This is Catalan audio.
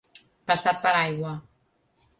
Passat per aigua.